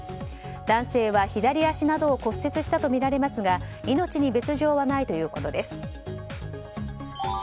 男性は左足などを骨折したとみられますが命に別条はないということです。